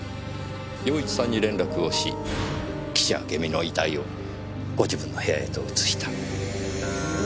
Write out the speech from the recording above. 陽一さんに連絡をし岸あけみの遺体をご自分の部屋へと移した。